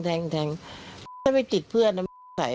มันก็ชะไหล่เราตาย